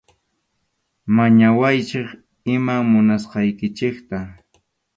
Mañawaychik iman munasqaykichikta.